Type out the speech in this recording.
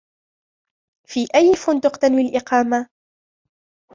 في أي فندقٍ تنوي الإقامة ؟